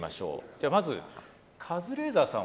じゃあまずカズレーザーさん